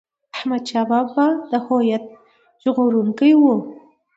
احمد شاه بابا د هویت ژغورونکی و.